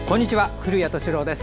古谷敏郎です。